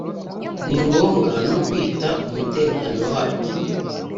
ni ngombwa no kwita ku mutekano waryo